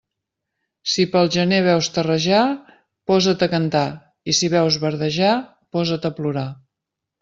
Si pel gener veus terrejar, posa't a cantar, i si veus verdejar, posa't a plorar.